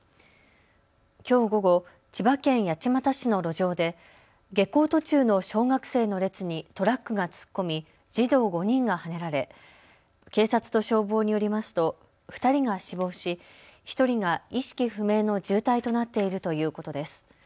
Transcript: きょう午後、千葉県八街市の路上で下校途中の小学生の列にトラックが突っ込み児童５人がはねられ警察と消防によりますと２人が死亡し１人が意識不明の重体となっているということです。